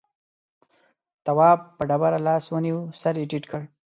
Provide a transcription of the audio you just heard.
تواب په ډبره لاس ونيو سر يې ټيټ کړ.